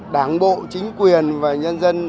đảng bộ chính quyền và nhân dân